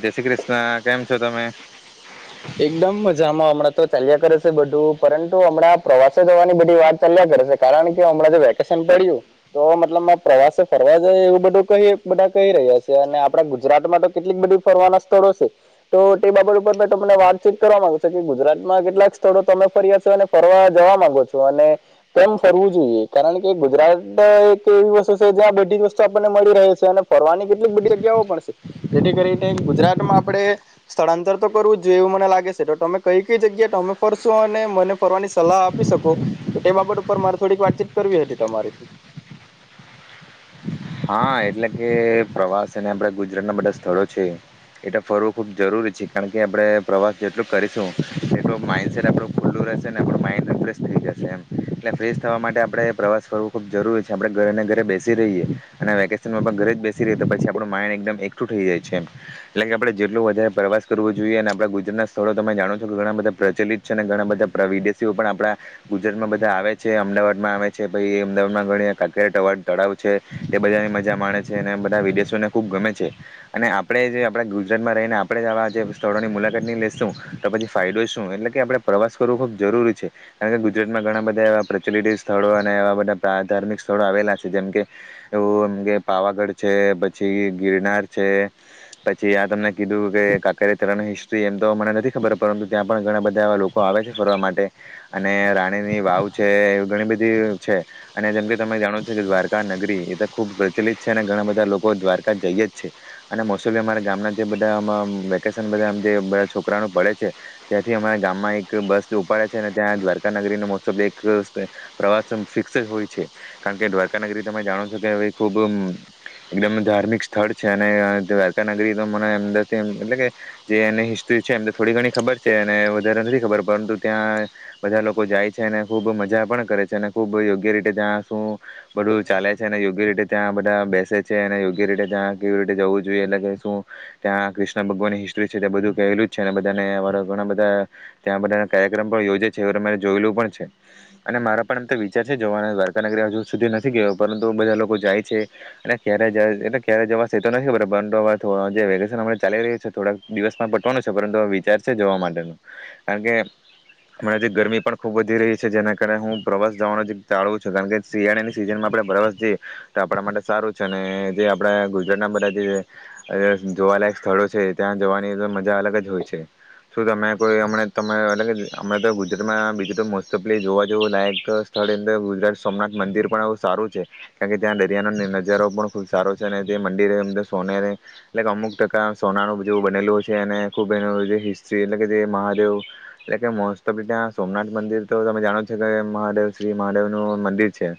જય શ્રી કૃષ્ણ કેમ છો તમે. એકદમ મજામાં હમણાં તો ચાલ્યા કરે છે બધું પરંતુ હમણાં પ્રવાસે જવાની બધી વાત ચાલ્યા કરે છે કારણ કે હમણાં તો વેકેશન પડ્યું તો મતલબ પ્રવાસે ફરવા જાય એવું બધું કહી બધા કહી રહ્યા છે અને આપડા ગુજરાતમાં તો કેટલીક બધી ફરવાના સ્થળો છે તો તે બાબત ઉપર. તમને વાતચીત કરવા માંગો છે કે ગુજરાતમાં કેટલાક સ્થળો તમે ફર્યા છો અને ફરવા જવા માંગો છો અને કેમ ફરવું જોઈએ કારણ કે ગુજરાત એક એવી વસ્તુ છે જ્યાં બધી જ વસ્તુ આપને મળી રહે છે અને ફરવાની કેટલીક બધી જગ્યાઓ પણ છે જેથી કરીને ગુજરાતમાં આપણે સ્થળાંતર તો. કરવું જોઈએ એવું મને લાગે છે તો તમે કઈ કઈ જગ્યાએમે ફરશો અને મને ફરવાની સલાહ આપી શકો તો તે બાબત ઉપર મારે થોડીક વાતચીત કરવી હતી તમારીથી. હા એટલે કે પ્રવાસ અને આપડા ગુજરાતના બધા સ્થળો છે એટ ફરવું ખૂબ જરૂરી છે કારણ કે આપણે પ્રવાસ જેટલો કરીશું એટલો માઈન્ડસેટ આપણું ખુલ્લું રહેશે ને આપણું માઈન્ડ રિફ્રેશ થઈ જશે એમ એટલે ફ્રેશ થવા માટે આપણે પ્રવાસ ફરવો ખૂબ જરૂરી છે આપણે ઘરે ઘરે બેસી રહીએ. અને વેકેશનમાં પણ ઘરે જ બેસી ર તો પછી આપણું માઇન્ડ એકદમ એકઠું થઈ જાય છે એટલે કે આપણે જેટલો વધારે પ્રવાસ કરવો જોઈએ અને આપણા ગુજરાત ના સ્થળો તમે જાણો છો કે ઘણા બધા પ્રચલિત છે અને ઘણા બધા વિદેશીઓ પણ આપણા ગુજરાતમાં બધા આવે છે અમદાવાદમાં આવે છે પછ અમદાવાદમાં ઘણી કારા ટર તળાવ છે. તે બધાની મજા મા છે અને બધા વિદેશોને ખૂબ ગમે છે અને આપણે જે આપણે ગુજરાતમાં રહીને આપણે આવા જે સ્થળોની મુલાકાતની લઈશું તો પછી ફાયદો શું એટલે કે આપણે પ્રવાસ કરવો ખૂબ જરૂરી છે કારણ કે ગુજરાતમાં ઘણા બધા એવા પ્રચલિત સ્થળો અને એવા બધા ધાર્મિક સ્થળો આવેલા છે જેમ કે. એવું એમ કે પાવાગઢ છે પછી ગિરનાર છે પછી આ તમને કીધું કે કાકેરેતરાની હિસ્ટ્રી એમ તો મને નથી ખબર પરંતુ ત્યાં પણ ઘણા બધા એવા લોકો આવે છે ફરવા માટે અને રાણીની વાવ છે એવી ઘણી બધી છે અને જેમ કે તમે જાણો છો કે દ્વારકા નગરી એ. ખૂબ પ્રચલિત છે અને ઘણા બધા લોકો દ્વારકા જઈએ જ છે અને મોસ્ટ ઓફલી અમારા ગામના જે બધા વેકેશન બધા જે બધા છોકરાનું પડે છે ત્યાંથી અમારા ગામમાં એક બસ ઉપાડે છે અને ત્યાં દ્વારકા નગરીનો મોસ્ટ ઓફલી એક પ્રવાસ ફિક્સ જ હોય છે કારણ કે દ્વારકા નગરી તમે જાણો છો. કે ખુબ એકદમ ધાર્મિક સ્થળ છે અને દ્વારકા નગરી તો મનેમ એ કે જે એની હિસ્ટ્રી છે એમ થોડી ઘણી ખબર છે અને વધારે નથી ખબર પરંતુ ત્યાં બધા લોકો જાય છે અને ખુબ મજા પણ કરે છે અને ખુબ યોગ્ય રીતે ત્યાં શું બધું ચાલે છે. યોગ્ય રીતે ત્યાં બધા બેસે છે અને યોગ્ય રીતે ત્યાં કેવી રીતે જવું જોઈએ એટલે કે શું ત્યાં ક્રષ્ણ ભગવાનની હિસ્ટ્રી છે બધું કેલું છે અને બધા અ ઘણા બધા ત્યાં બધા કાર્યક્રમ પણ યોજે છે એરે જોયેલું પણ છે અને મારા પણ અમ તો વિચાર છે જોવાના દ્વારકા નગરી હજુ સુધી નથી ગયો. પરંતુ બધા લોકો જાય છે અને ક્યારે એટલે ક્યારે જવા તો નથી ખબર પરંત હવે જે વેકેશન ચાલી રહ્યું છે થોડાક દિવસમાં પટવાનું છે પરંતુ હ વિચાર છે જોવા માટેનો કારણ કે હણા જે ગરમી પણ ખૂબ વધી રહી છે જેના કારણે હું પ્રવાસ જવાનું ચાળવું છું કારણ કે શિયાળાની સિઝનમાં આપણે. બરાબર જી તો આપણા માટે સારું છે અને જે આપણા ગુજરાતના બધા જે જોવાલાયક સ્થળો છે ત્યાં જવાની તો મજા અલગ જ હોય છે શું તમે કોઈ અમણા તમે અલગ અમમે તો ગુજરાતમાં બીજું તો મોસ્ટ ઓફ્લી જોવા જેવું લાયક સ્થળંદર ગુજરાત સોમનાથ મંદિર પણ આવું સારું. કારણ કે ત્યાં દરિયાનો નજારો પણ ખુબ સારો છે અને જે મંદિર સોને એટલે અમુક ટકા સોનાનું જેવું બનેલું છે અને ખુબ એનું જે હિસ્ટ્રી એટલે કે જે મહાદેવ એટલે કે મોસ્ટ ઓફ ત્યાં સોમનાથ મંદિર તો તમે જાણો જો કે મહાદેવ શ્રી મહાદેવનું મંદિર. છે.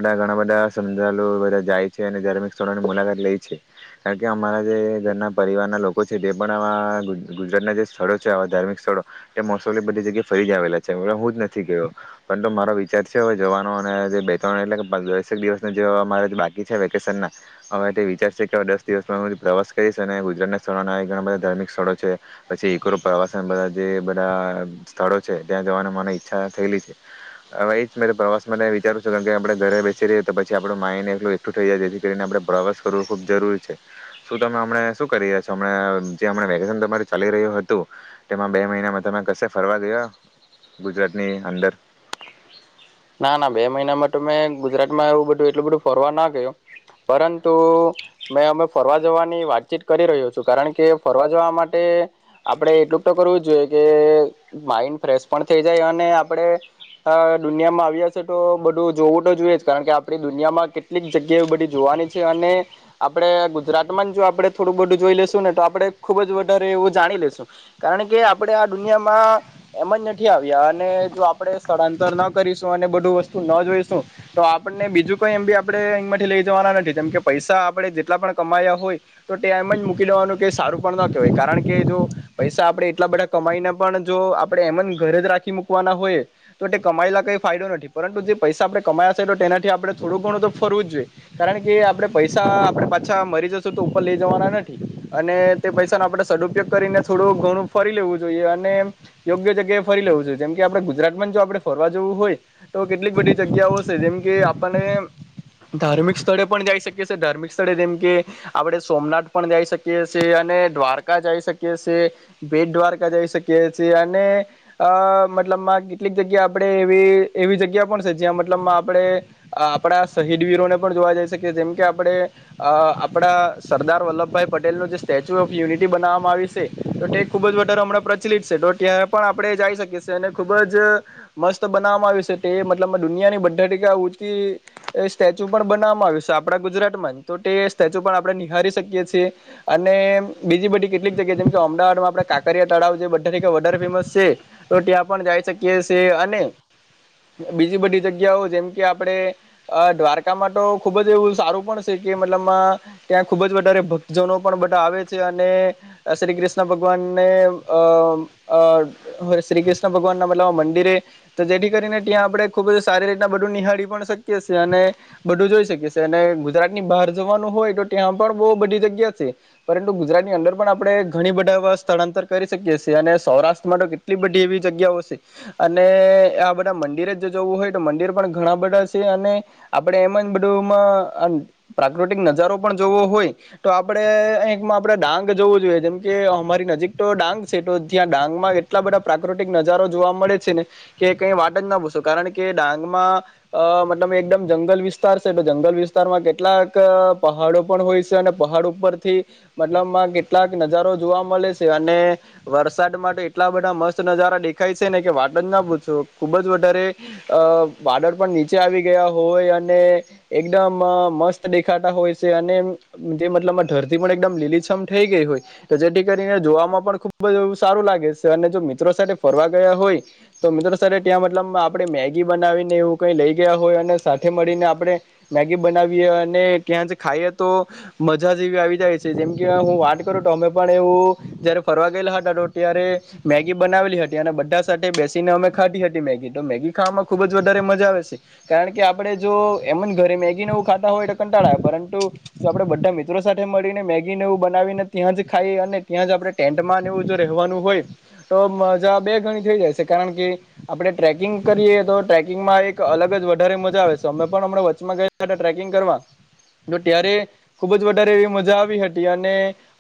ઘણા બધા શ્રદ્ધુ બધા જાય છે અને ધાર્મિક સ્થળોની મુલાકાત લે છે કારણ કે અમારા જે ઘરના પરિવારના લોકો છે તે પણ આવા ગુજરાતના જે સ્થળો છે આવા ધાર્મિક સ્થળો તે મોસલી બધી જગ્યાએ ફરી જ આવેલા છે હું જ નથી કે્યો પરંતુ મારો વિચાર છે હવે જવાનો અને. ત્રણ એટલે કે દસેક દિવસ જે અમારા જે બાકી છે વેકેશન ના હવે તે વિચારશે કે હવે દસ દિવસમાં હું પ્રવાસ કરીશ અને ગુજરાતના સ્થળોના ઘણા બધા ધાર્મિક સ્થળો છે. પછી કરો પ્રવાસન બધા. જે બધા સ્થળો છે ત્યાં જવાની મને ઈચ્છા થયેલી છે હવે એજ પ્રવાસ વિચારું. કારણ કે આપણે ઘરે બેસી રહીએ તો પછી આપડું માઇન્ડ એટલું એકઠું થઈ જાય જેથી કરીને આપડે પ્રવાસ કરવું ખુબ જરૂરી છે શું તમે હમ શું કરી રહ્યા છોમ જેમ વેકેશન તમારું ચાલી રહ્યું હતું તેમાં બે મહિનામાં તમે કશે ફરવા ગયા ગુજરાતની અંદર. ના ના બે મહિના માટે મેં ગુજરાતમાં એવું બધું એટલું બધું ફરવા ના ગું પરંતુ મેં અમે ફરવા જવાની વાતચીત કરી રહ્યો છું કારણ કે ફરવા જવા માટે આપડે એટલું તો કરવું જ જોઈએ કે માઇન્ડ ફ્રેશ પણ થઇ જાય અને આપણે. દુનિયામાં આવ્યા છે તો બધું જોવું તો જોઈએ જ કારણ કે આપણી દુનિયામાં કેટલીક જગ્યાએ એ બધી જોવાની છે અને આપણેે ગુજરાતમાં જ જો આપણે થોડું બધું જોઈ લેશું ને તો આપડણે ખુબ જ વધારે એવું જાણી લેશું કારણ કે આપણે આ દુનિયામાં એમ જ નથી આવ્યા અને જો આપણે સ્થળાંતરના. બધું વસ્તુ ના જોઈશું તો આપણને બીજું કઈ એમ બી આપણે એહીમાં લઈ જવાના નથી જેમ કે પૈસા આપણે જેટલા પણ કમાયા હોય તો તે એમ જ મૂકી દેવાનું કે સારું પણ ના કહેવાય કારણ કે જો પૈસા આપણે એટલા બધા કમાઈને પણ જો આપણે એમ જ ઘરે જ રાખી મૂકવાના હોય તો તે કમાયલા. કઈ ફાયદો નથી પરંતુ જે પૈસા આપણે કમાયા છે તો તેનાથી આપણે થોડું ઘણું તો ફરવું જ જોઈએ કારણ કે આપણે પૈસા આપણે પાછા મરી જશું તો ઉપર લઈ જવાના નથી અને તે પૈસાનો આપણે સદઉપયોગ કરીને થોડું ઘણું ફરી લેવું જોઈએ અને યોગ્ય જગ્યાએ ફરી લેવું જોઈએ જેમ કે આપણે ગુજરાતમાં જ જો આપણે ફરવાએ. વ હોય તો કેટલીક બધી જગ્યાઓ છે જેમકે આપણે ધાર્મિક સ્થળે પણ જઈ શખે ધાર્મિક સ્થળે જેમકે આપણે સોમનાથ પણ જઈ શકીએ છેએ અને દ્વારકા જઈ શકીએી ભેટ દ્વારકા જઈ શકીએીએ અને મતલબમાં કેટલીક જગ્યા. આપણે એવી એવી જગ્યા પણ છે જ્યાં મતલબમાં આપણે આપણા શહીદવીરોને પણ જોવા જઈ શકીએ જેમ કે આપણે આપણા સરદાર વલ્લભભાઈ પટેલનું જે સ્ટેચ્યુ ઓફ યુનિટી બનાવવામાં આવી છે તો તે ખૂબ જ વધારેો હમણાં પ્રચલિત છે તો ત્યાં પણ આપણે જઈ શકીએ છીએ અને ખૂબ જ. મસ્ત બનાવામાં આવ્યું છે તે મતલબ દુનિયાની બધા ટકા ઊંચી, સ્ટેચ્યુ પણ બનાવવામાં આવ્યું છે આપડા ગુજરાત માં તો તે સ્ટેચ્યુ પણ આપણે નિહળારી શકીએ છીએ, અને બીજી બધી કેટલીક જગ્યાએ જેમ કે અમદાવાદમાં આપણે કાકરિયા તળાવ જે બધા ટ વધારે ફેમસ છે, તો ત્યાં પણ જઈ શકીએ છીએ અને બીજી બધી જગ્યાઓ જેમ કે આપણે, દ્વારકામાં તો ખુબ જ એવું સારું પણ છે કે મતલબમાં, ત્યાં ખુબ જ વધારે ભક્તજનો પણ બધા આવે છે અને, શ્રી કૃષ્ણ ભગવાનને અ શ્રી કૃષ્ણ ભગવાન ના મતલબ મંદિરે તો જેથી કરીને ત્યાં આપણે ખૂબ જ સારી રીતના બધું નિહાળી પણ શકીએ છીએ અને, બધું જોઈ શકીએ અને ગુજરાતની બહાર જવાનું હોય તો ત્યાં પણ બહુ બધી જગ્યા છે, પરંતુ ગુજરાતની અંદર પણ આપણે ઘણી બધા એવા સ્થળાંતર કરી શકી છીએ અને સૌરાષ્ટ્રમાં તો કેટલી બધી એવી જગ્યાઓ છે, અને આ બધા મંદિરે જ જોવું હોય તો મંદિર પણ ઘણા બધા છે અને, આપણેે એમ જ બધુંમાં પ્રાકૃતિક નજારો પણ જોવો હોય, તો આપડે અહીંકમાં આપડે ડાંગ જોવું જોઈએ જેમ કે અમારી નજીક તો ડાંગ છે તો જ્યાં ડાંગ માં એટલા બધા પ્રાકૃતિક નજારો જોવા મળે છે ને. કે કઈ વાટ જ ના પૂછો કારણ કે ડાંગમાં, અ મતલબ એકદમ જંગલ વિસ્તાર છે તો જંગલ વિસ્તારમાં કેટલાક પહાડો પણ હોય છે અને પહાડ ઉપરથી, મતલબમાં કેટલાક નજારો જોવા મળે છે અને, વરસાદ માટે એટલા બધા મસ્ત નજારા દેખાય છે ને કે વાટ જ ના પૂછ જો ખુબ જ વધારે અ બડર પણ નીચે આવી ગયા હોય અને એકદમ મસ્ત દેખાતા હોય છે અને જે મતલબમાં રતી પણ એકદમ લીલીછમ થઈ ગઈ હોય તો જેથી કરીને જોવામાં પણ ખૂબ જ સારું લાગે છે અને જો મિત્રો સાથે ફરવા ગયા હોય તો મિત્રો સર ત્યાં મતલબ આપણે મેગી બનાવીને એવું કંઈ લઈ ગયા હોય અને સાથે મળીને આપણે મેગી બનાવીએ અને ત્યાં જ ખાઈએ તો મજા જે એવી આવી જાય છે જેમ કે હું વાત કરું તો અમે પણ એવું જયારે ફરવા ગયેલા હતા તો ત્યારે મેગી બનાવેલી હતી અને બધા સાથે બેસી ને અમે ખાતી હતી મેગી તો મેગી ખાવામાં ખુબ જ વધારે મજા આવે છે કારણ કે આપણેે જો એમ જ ઘરે મેગીને એવું ખાતા હોય તો કંટાળા આવે પરંતુ જો આપડણે બધા મિત્રો સાથે મળીને મેગીને એવું બનાવીને ત્યાં જ ખાઈ અને ત્યાં જ આપણે ટેન્ટમાંને એવું જો રહેવાનું હોય તો મજા બે ઘણી થઈ જાય છે આપણે ટ્રેકિંગ કરીએ તો ટ્રેકિંગમાં એક અલગ જ વધારે મજા આવે છે અમે પણ વચ્ચમાં ગયા હતા ટ્રેકિંગ કરવા તો ત્યારે ખુબ જ વધારે એવી મજા આવી હતી અને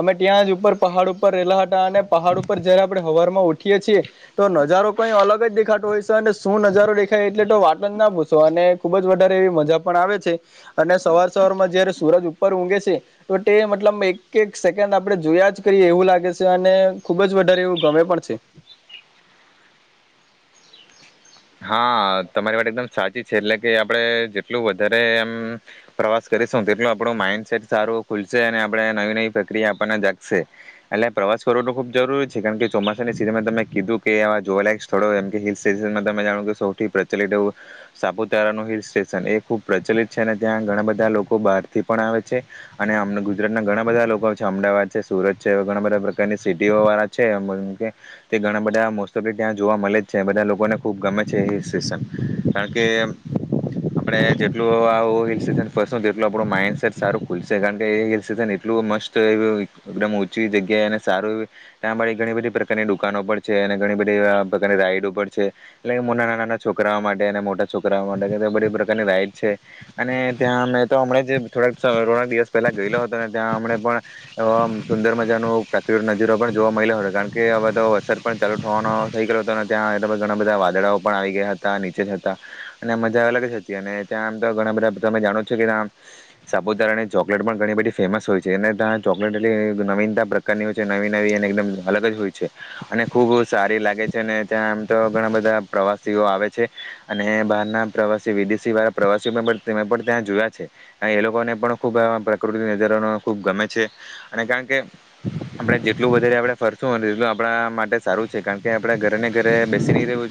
અમે ત્યાં જ ઉપર પહાડ ઉપર રહેલા હતા અને પહાડ ઉપર જયારે આપણે હવારમાં ઉઠીએ છીએ તો નજારો કઈ અલગ જ દેખાતું હોય છે અને શું નજારો દેખાય એટલે તો વા ના પૂછો અને ખુબ જ વધારે એવી મજા પણ આવે છે અને સવાર સવારમાં જયારે સુરજ ઉપર ઊઘે છે તો તે મતલબ એક એક સેકન્ડ આપણે જોયા જ કરીએ એવું લાગે છે અને ખુબ જ વધારે એવું ગમે પણ છે હા તમારી માટે એકદમ સાચી છે એટલે કે આપડણે જેટલું વધારે એમ પ્રવાસ કરીશું તેટલું આપણું માઈન્ડસેટ સારું ખુલશે અને આપણે નવી નવી પ્રક્રિયા આપવાને જાગશે એટલે પ્રવાસ કરવોનું ખૂબ જરૂરી છે કારણ કે ચોમાસાની સિઝનમાં તમે કીધું કે આ જોવા લયક થોડો એમ હિલ સેશનમાં સૌથી પ્રચલિત એવું સાપુતારાનુંું હિલ સ્ટેશન એ ખુબ પ્રચલિત છે અને ત્યાં ઘણા બધા લોકો બહાર થી પણ આવે છે અનેમ ગુજરાત ના ઘણા બધા લોકો છે અમદાવાદ છે સુરત છે ઘણા બધા પ્રકારની સિટીઓ વાળા છે તે ઘણા બધા મો ઓફ ત્યાં જોવા મળે જ છે બધા લોકોને બ ગમે હિલ સ્ટેશન કારણ કે આપણે જેટલું હિલ સ્ટેશન ફસ તેટલું આપણું માઇન્ડસેટ સારું ખુલશે કારણ કે એ હિલ સ્ટેશન એટલું મસ્ત એ એકદમ છી જગ્યા સારું એ ત્યાં ઘણી બધી પ્રકારની દુકાનો પણ છે અને ઘણી બધી પ્રકારની રાઈડ પર છે એટલે કે નાના નાના છોકરાઓ માટે અને મોટા છોકરાઓ માટે કે બધી પ્રકારની રાઈડ છે અને ત્યાં મેં તો હમ જે થોડાક થોડાક દિવસ પહેલા ગયેલો હતો ને ત્યાં હમણે પણ સુંદર મજાનો પ્રાકૃ નજરો પણ જોવા મળ્યો હતો કારણ કે હવે તો વરસાદ પણ ચાલુ થવાનો થઈ ગયો હતો ત્યાં એટ ઘણા બધા દડા પણ આવી ગયા હતા નીચે જ હતા અને મજા અલગ જ હતી અને ત્યાં આમ તો ઘણા બધા તમે જાણો છો કે ત્યાં સાપુતારાની ચોકલેટ પણ ઘણી બધી ફેમસ હોય છે અને ત્યાં ચોકલેટ એટલી નવીનતા પ્રકારની હોય છે નવી નવી અને એકદમ અલગ જ હોય છે અને ખૂબ સારી લાગે છે અને ત્યાં આમ તો ઘણા બધા પ્રવાસીઓ આવે છે અને બહારના પ્રવાસી વિદેશી વાળા પ્રવાસીઓ પણ ત્યાં જોયા છે એ લોકોને પણ ખૂબ પ્રકૃતિ નજાર ખૂબ ગમે છે અને કારણ કે આપણે જેટલું વધારે આપણે ફરશું હો એટલું આપણા માટે સારું છે કારણ કે આપણે ઘરે ને ઘરે બેસી રહ્યું છે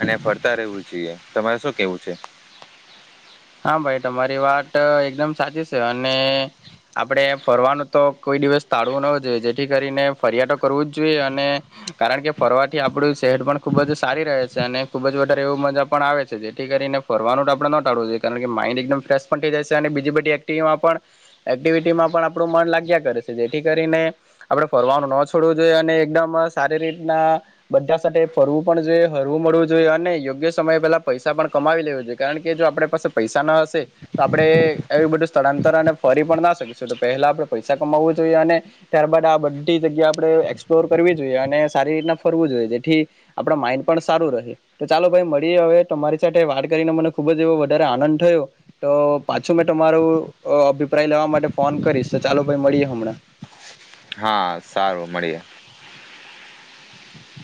અને ફરતા રહેવું જોઈએ તમારે શું કેવું છે હા ભાઈ તમારી વાત એકદમ સાચી છે અને આપડે ફરવાનું તો કોઈ દિવસ ટાળવું ન જોઈએ જેથી કરીને ફરિયા તોો કરવું જ જોઈએ અને કારણ કે ફરવાથી આપડું શહેર પણ ખુબ જ સારી રહે છે અને ખુબ જ વધારે એવું મજા પણ આવે છે જેથી કરીને ફરવાનું આપડણે ન ટાળવું જોઈએ કારણ કે માઈન્ડ એકદમ ફ્રેશ પણ થઈ જાય છે અને બીજી બધી એક્ટમાં પણ એક્ટિવિટીમાં પણ આપણું મન લાગ્યા કરે છે જેથી કરીને આપણે ફરવાનું ન છોડવું જોઈએ અને એકદમ સારી રીતના બધા સાથે ફરવું પણ જોઈએ હરવું મળવું જોઈએ અને યોગ્ય સમય પહેલા પૈસા પણ કમાવી લેવ જોઈએ કારણ કે જો આપણે પાસે પૈસા ના હશે તો આપડે એું બધું સ્થળાંતર અને ફરી પણ ના શકીશું તો પહેલા આપણેે પૈસા કમાવું જોઈએ અને ત્યારબાદ આ બધી જગ્યા આપણે એક્સપ્લોર કરવી જોઈએ અને સારી રીતના ફરવું જોઈએ જેથી આપડા માઇન્ડ પણ સારું રહે તો ચાલો ભાઈ મળીએ હવે તમારી સાથે વાત કરીને મને ખૂબ જ એવ વધારે આ થયું તો પાછું મેં તમારું અભિપ્રાય લેવા માટે ફોન કરીશ તો ચાલો ભાઈ મળીએ હમણાં હા સારું મળીએ